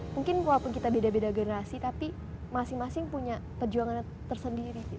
mungkin walaupun kita beda beda generasi tapi masing masing punya perjuangan tersendiri